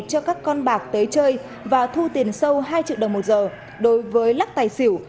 cho các con bạc tới chơi và thu tiền sâu hai triệu đồng một giờ đối với lắc tài xỉu